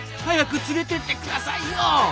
早く連れてってくださいよ。